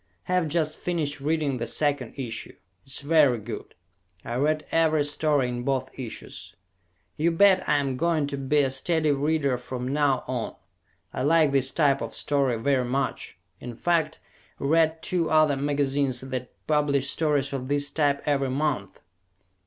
Have just finished reading the second issue. It is very good. I read every story in both issues. You bet I am going to be a steady reader from now on. I like this type of story very much in fact, read two other magazines that publish stories of this type every month.